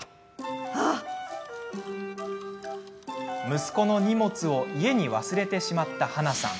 息子の荷物を家に忘れてしまったはなさん。